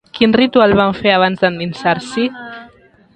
Quin ritual van fer abans d'endinsar-s'hi?